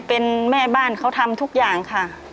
เป็นแม่บ้านเขาทำทุกอย่างค่ะ